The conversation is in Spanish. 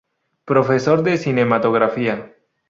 Profesor de cinematografía.